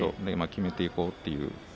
決めていこうと。